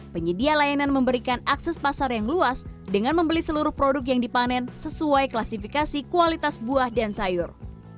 penyedia layanan memberikan akses pasar yang luas dengan membeli seluruh produk yang dipanen sesuai klasifikasi kualitas buah dan sayur